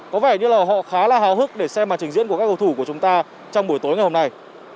có vẻ như là họ khá là hào hức để xem màn trình diễn của các cầu thủ của chúng ta trong buổi tối ngày hôm nay